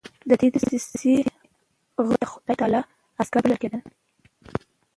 د دې دسیسې غړي د خدای تعالی عسکر بلل کېدل.